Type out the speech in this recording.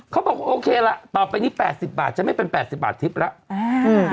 เขาบอกโอเคล่ะต่อไปนี้แปดสิบบาทจะไม่เป็นแปดสิบบาททิศแล้วอ่า